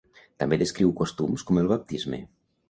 També descriu costums com el baptisme.